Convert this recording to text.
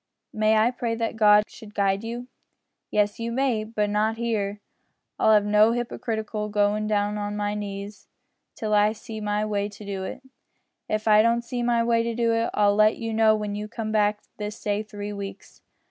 May I pray that God should guide you?" "Yes, you may, but not here. I'll have no hypocritical goin' down on my knees till I see my way to it. If I don't see my way to it, I'll let you know when you come back this day three weeks."